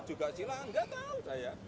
juga silah nggak tahu saya